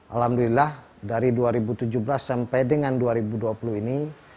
alhamdulillah dari dua ribu tujuh belas sampai dengan dua ribu dua puluh ini